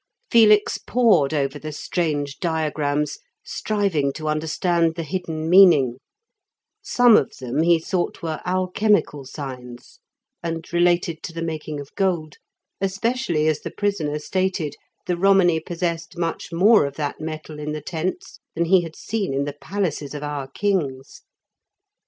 Felix pored over the strange diagrams, striving to understand the hidden meaning; some of them he thought were alchemical signs, and related to the making of gold, especially as the prisoner stated the Romany possessed much more of that metal in the tents than he had seen in the palaces of our kings.